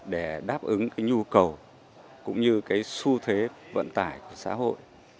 để đáp ứng nhu cầu cũng như su thế vận tải của xã hội